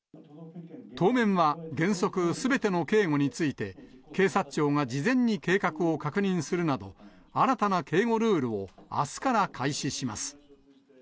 当面は、原則すべての警護について、警察庁が事前に計画を確認するなど、新たな警護ルールをあすから開始します。